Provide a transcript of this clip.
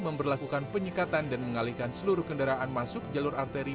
memperlakukan penyekatan dan mengalihkan seluruh kendaraan masuk jalur arteri